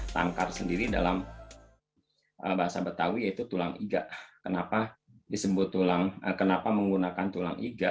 tangkar sendiri dalam bahasa betawi yaitu tulang iga kenapa disebut tulang kenapa menggunakan tulang iga